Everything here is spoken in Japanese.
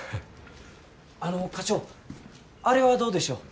あの課長あれはどうでしょう。